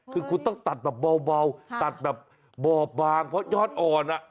คือคุณต้องตัดแบบเบาตัดแบบบอบบางเพราะยอดอ่อน